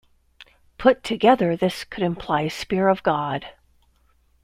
Put together this could imply Spear of God.